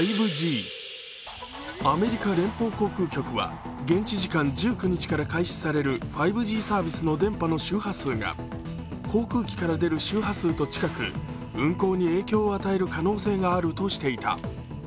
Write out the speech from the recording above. アメリカ連邦航空局は現地時間１９日から開始される５Ｇサービスの電波の周波数が航空機から出る周波数と近く運航に影響を与える可能性があるとしていた。